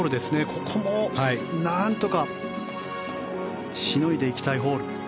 ここもなんとかしのいでいきたいホール。